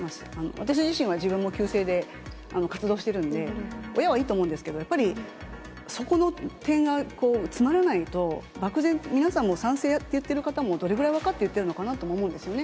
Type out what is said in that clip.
私自身は自分も旧姓で活動してるんで、親はいいと思うんですけど、やっぱり、そこの点が詰まらないと、漠然と、皆さんも賛成って言ってる方も、どれぐらい分かって言っているのかなって思うんですね。